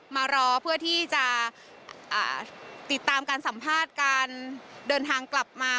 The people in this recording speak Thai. มารอเพื่อที่จะติดตามการสัมภาษณ์การเดินทางกลับมา